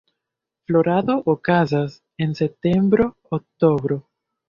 Florado okazas en septembro–oktobro.